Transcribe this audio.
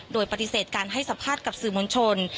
โดยปฏิเสธการให้สัมภาษณ์กับสื่อมวลชน